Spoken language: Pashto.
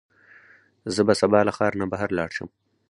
زه به سبا له ښار نه بهر لاړ شم.